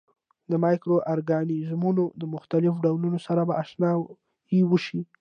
د مایکرو ارګانیزمونو د مختلفو ډولونو سره به آشنايي وشي.